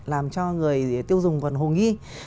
làm cho người tiêu dùng còn hồ nghi